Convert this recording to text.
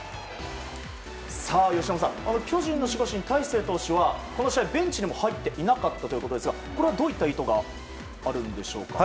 由伸さん、巨人の守護神大勢投手はこの試合、ベンチにも入っていなかったということですがどういった意図があるんでしょうか。